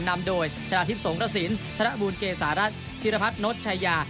นำโดยชาติธิปสงฆสินธรรมูลเกสารัสธิรพัฒนศชายา